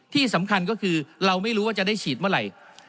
ที่สำคัญก็คือเราไม่รู้ว่าจะได้ฉีดเมื่อไหร่